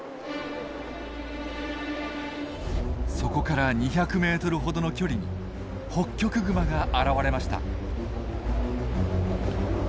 そこから２００ｍほどの距離にホッキョクグマが現れました。